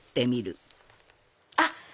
あっ！